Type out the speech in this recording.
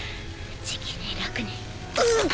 じきに楽にうっ！